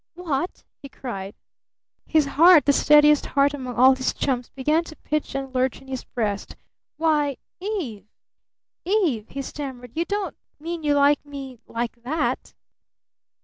"WHAT?" he cried. His heart, the steadiest heart among all his chums, began to pitch and lurch in his breast. "Why, Eve! Eve!" he stammered. "You don't mean you like me like that?"